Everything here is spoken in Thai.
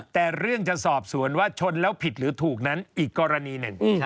แต่เรื่องจะสอบสวนว่าชนแล้วผิดหรือถูกนั้นอีกกรณีหนึ่ง